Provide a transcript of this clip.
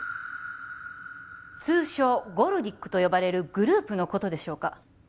通称ゴルディックと呼ばれるグループのことでしょうか？